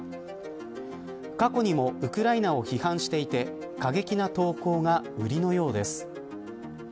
過去にもウクライナを批判していて過激な投稿が売りのようです。